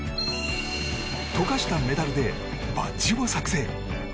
溶かしたメダルでバッジを作成。